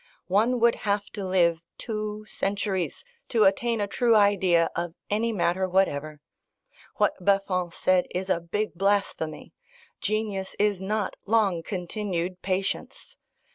One would have to live two centuries to attain a true idea of any matter whatever. What Buffon said is a big blasphemy: genius is not long continued patience.